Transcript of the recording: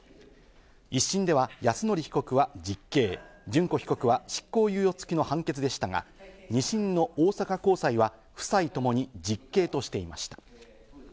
１審では泰典被告は実刑、諄子被告は執行猶予付きの判決でしたが、２審の大阪高裁は夫妻ともに実刑としていました。